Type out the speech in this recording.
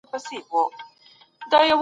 هر افغان باید د ټیم ملاتړ وکړي.